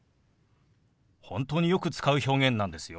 本当によく使う表現なんですよ。